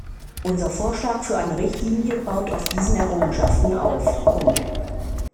Unser Vorschlag für eine Richtlinie baut auf diesen Errungenschaften auf.